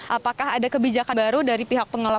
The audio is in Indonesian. apakah ada kebijakan baru dari pihak pengelola